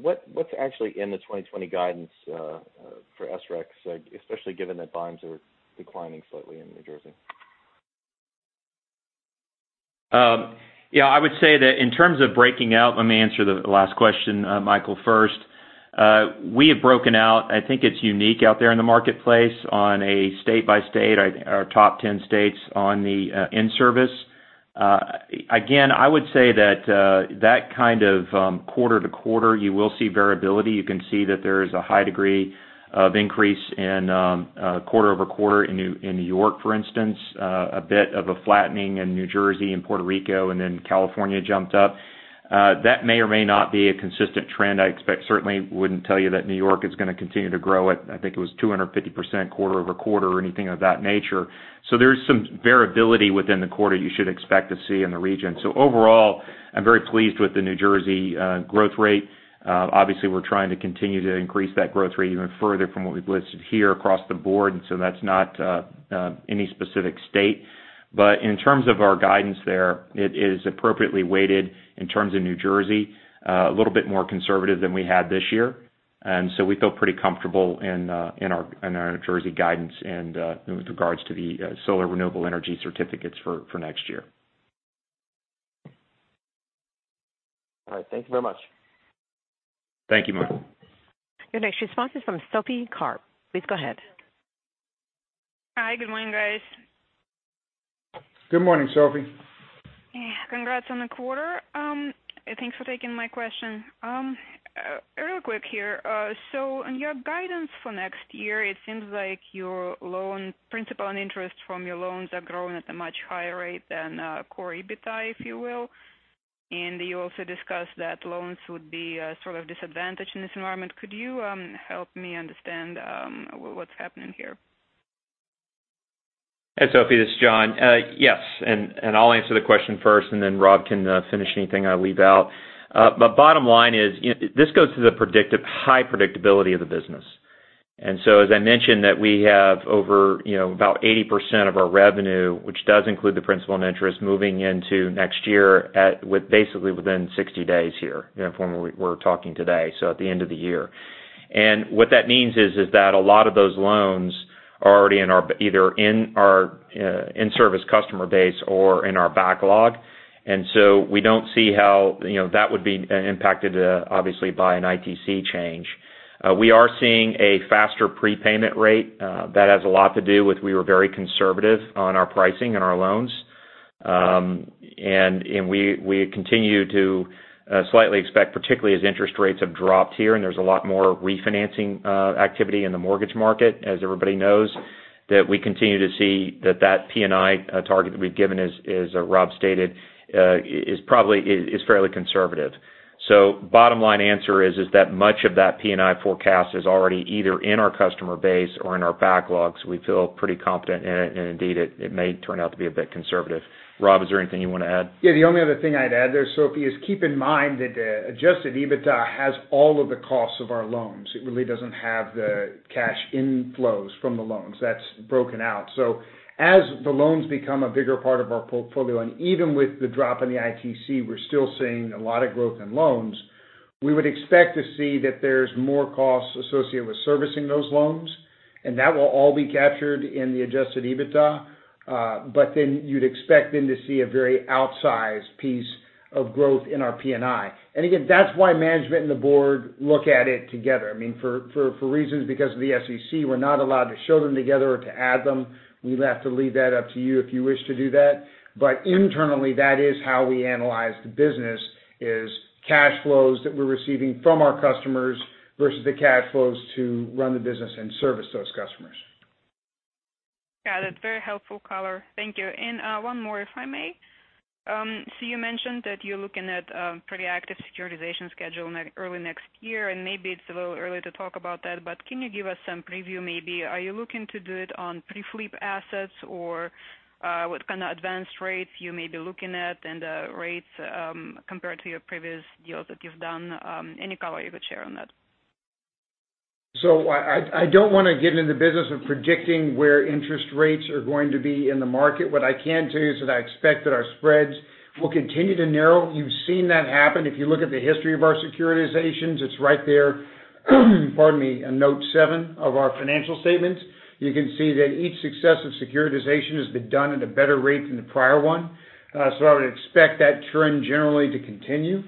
What's actually in the 2020 guidance for SREC, especially given that volumes are declining slightly in New Jersey? I would say that in terms of breaking out, let me answer the last question, Michael, first. We have broken out. I think it's unique out there in the marketplace on a state-by-state, our top 10 states on the in-service. Again, I would say that that kind of quarter-to-quarter, you will see variability. You can see that there is a high degree of increase in quarter-over-quarter in New York, for instance, a bit of a flattening in New Jersey and Puerto Rico, and then California jumped up. That may or may not be a consistent trend. I certainly wouldn't tell you that New York is going to continue to grow at, I think it was 250% quarter-over-quarter or anything of that nature. So there is some variability within the quarter you should expect to see in the region. Overall, I'm very pleased with the New Jersey growth rate. Obviously, we're trying to continue to increase that growth rate even further from what we've listed here across the board. That's not any specific state. In terms of our guidance there, it is appropriately weighted in terms of New Jersey. A little bit more conservative than we had this year. We feel pretty comfortable in our New Jersey guidance and with regards to the solar renewable energy certificates for next year. All right. Thank you very much. Thank you, Michael. Your next response is from Sophie Karp. Please go ahead. Hi. Good morning, guys. Good morning, Sophie. Congrats on the quarter. Thanks for taking my question. Real quick here. On your guidance for next year, it seems like your loan principal and interest from your loans are growing at a much higher rate than core EBITDA, if you will. You also discussed that loans would be sort of disadvantaged in this environment. Could you help me understand what's happening here? Hey, Sophie, this is John. Yes. I'll answer the question first, and then Rob can finish anything I leave out. Bottom line is this goes to the high predictability of the business. As I mentioned, that we have over about 80% of our revenue, which does include the principal and interest moving into next year basically within 60 days here from when we're talking today, so at the end of the year. What that means is that a lot of those loans are already either in our in-service customer base or in our backlog. We don't see how that would be impacted, obviously, by an ITC change. We are seeing a faster prepayment rate. That has a lot to do with, we were very conservative on our pricing and our loans. We continue to slightly expect, particularly as interest rates have dropped here and there's a lot more refinancing activity in the mortgage market, as everybody knows, that we continue to see that P&I target that we've given, as Rob stated, is fairly conservative. Bottom line answer is that much of that P&I forecast is already either in our customer base or in our backlogs. We feel pretty confident in it, and indeed, it may turn out to be a bit conservative. Rob, is there anything you want to add? The only other thing I'd add there, Sophie, is keep in mind that adjusted EBITDA has all of the costs of our loans. It really doesn't have the cash inflows from the loans. That's broken out. As the loans become a bigger part of our portfolio, and even with the drop in the ITC, we're still seeing a lot of growth in loans. We would expect to see that there's more costs associated with servicing those loans, and that will all be captured in the adjusted EBITDA. You'd expect then to see a very outsized piece of growth in our P&I. Again, that's why management and the board look at it together. For reasons because of the SEC, we're not allowed to show them together or to add them. We have to leave that up to you if you wish to do that. Internally, that is how we analyze the business, is cash flows that we're receiving from our customers versus the cash flows to run the business and service those customers. Got it. Very helpful color. Thank you. One more, if I may. You mentioned that you're looking at pretty active securitization schedule early next year, and maybe it's a little early to talk about that, but can you give us some preview? Maybe are you looking to do it on pre-flip assets, or what kind of advanced rates you may be looking at and the rates compared to your previous deals that you've done? Any color you could share on that. I don't want to get into the business of predicting where interest rates are going to be in the market. What I can tell you is that I expect that our spreads will continue to narrow. You've seen that happen. If you look at the history of our securitizations, it's right there, pardon me, in Note 7 of our financial statements. You can see that each successive securitization has been done at a better rate than the prior one. I would expect that trend generally to continue.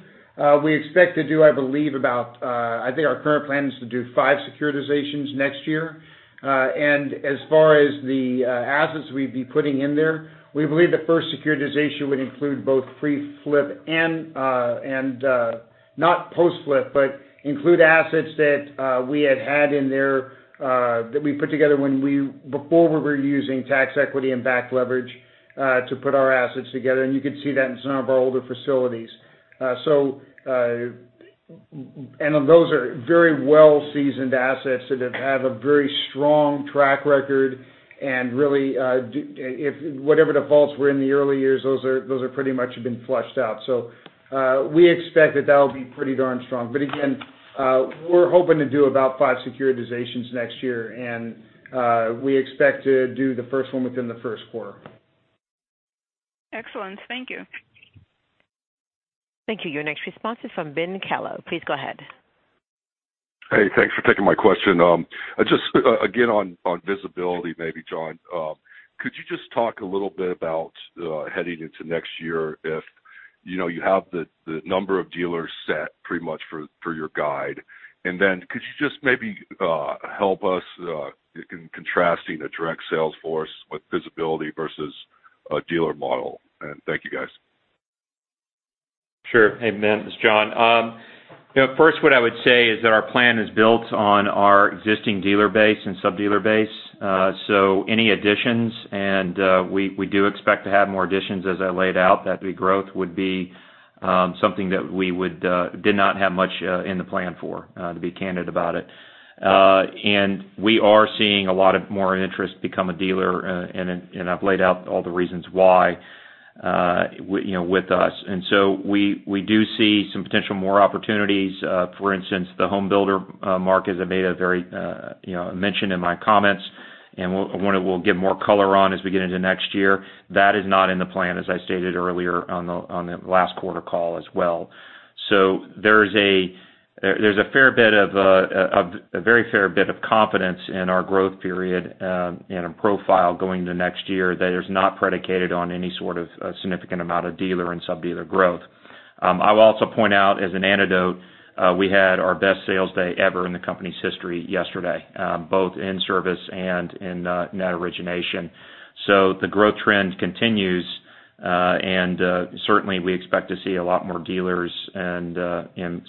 We expect to do, I believe, I think our current plan is to do five securitizations next year. As far as the assets we'd be putting in there, we believe the first securitization would include both pre-flip and not post-flip, but include assets that we had in there that we put together before we were using tax equity and backed leverage to put our assets together. You could see that in some of our older facilities. Those are very well-seasoned assets that have had a very strong track record and really whatever defaults were in the early years, those are pretty much been flushed out. We expect that that will be pretty darn strong. Again, we're hoping to do about five securitizations next year, and we expect to do the first one within the first quarter. Excellent. Thank you. Thank you. Your next response is from Ben Kallo. Please go ahead. Hey, thanks for taking my question. Just again on visibility, maybe, John, could you just talk a little bit about heading into next year if you have the number of dealers set pretty much for your guide? Then could you just maybe help us contrasting a direct sales force with visibility versus a dealer model? Thank you, guys. Sure. Hey, Ben, it's John. First, what I would say is that our plan is built on our existing dealer base and sub-dealer base. Any additions, and we do expect to have more additions as I laid out, that the growth would be something that we did not have much in the plan for, to be candid about it. We are seeing a lot of more interest become a dealer, and I've laid out all the reasons why with us. We do see some potential more opportunities. For instance, the home builder market, as I made a very mention in my comments, and one that we'll give more color on as we get into next year. That is not in the plan, as I stated earlier on the last quarter call as well. There's a very fair bit of confidence in our growth period and our profile going into next year that is not predicated on any sort of significant amount of dealer and sub-dealer growth. I will also point out as an anecdote, we had our best sales day ever in the company's history yesterday, both in service and in net origination. The growth trend continues. Certainly, we expect to see a lot more dealers and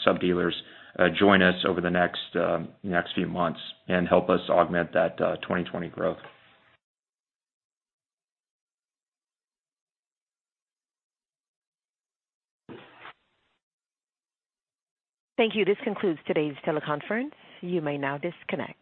sub-dealers join us over the next few months and help us augment that 2020 growth. Thank you. This concludes today's teleconference. You may now disconnect.